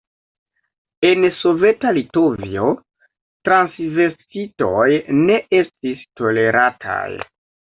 En soveta Litovio transvestitoj ne estis tolerataj.